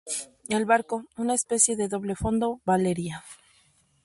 el barco, una especie de doble fondo. Valeria.